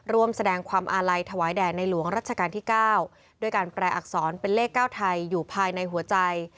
ร่วมแสดงความอาลัยถวายแด่ในหลวงรัชกาลที่๙ด้วยการแปลอักษรเป็นเลข๙ไทยอยู่ภายในหัวใจ